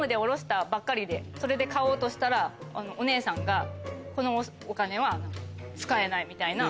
それで買おうとしたらお姉さんがこのお金は使えない！みたいな。